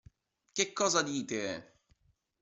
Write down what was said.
Che cosa dite!